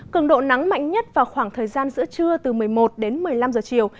cường độ nắng mạnh nhất vào khoảng thời gian giữa trưa từ một mươi một đến một mươi năm giờ chiều